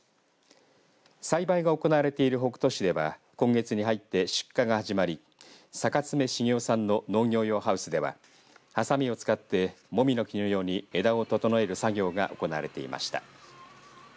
栽培が行われている北杜市では今月に入って出荷が始まり坂爪成夫さんの農業用ハウスでははさみを使ってもみの木のように枝を整える作業が行われていました。